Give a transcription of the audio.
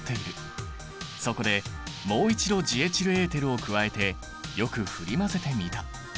そこでもう一度ジエチルエーテルを加えてよく振り混ぜてみた。